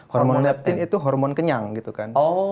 hormon leptin itu hormon kenyang gitu kan